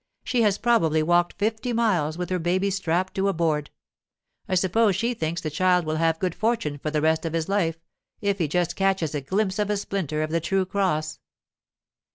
She has probably walked fifty miles, with her baby strapped to a board. I suppose she thinks the child will have good fortune the rest of his life If he just catches a glimpse of a splinter of the true cross.